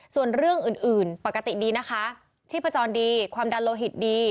ส่วนเรื่องอื่นปกติดีนะคะชีพจรดีความดันโลหิตดี